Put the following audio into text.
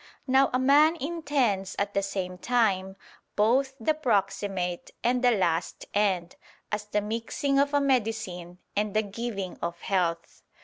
Now a man intends at the same time, both the proximate and the last end; as the mixing of a medicine and the giving of health.